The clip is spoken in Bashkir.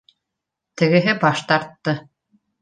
Тегеһе баш тартты